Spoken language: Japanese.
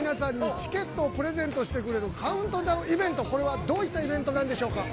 チケットのプレゼントしてくれるカウントダウンイベント、これはどういったイベントなんでしょうか。